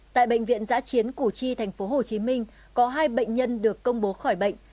tại bệnh viện giã chiến củ chi tp hcm có hai bệnh nhân được công bố khỏi bệnh